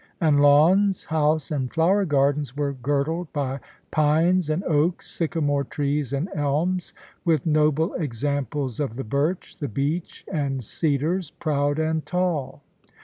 And lawns, house, and flower gardens were girdled by pines and oaks, sycamore trees and elms, with noble examples of the birch, the beech, and cedars, proud and tall.